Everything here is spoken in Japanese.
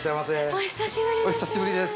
お久しぶりです。